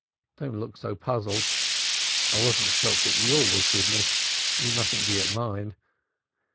Don't look so puzzled. I wasn't shocked at your wickedness you mustn't be at mine.